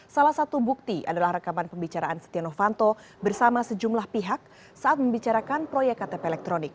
salah satu bukti adalah rekaman pembicaraan setia novanto bersama sejumlah pihak saat membicarakan proyek ktp elektronik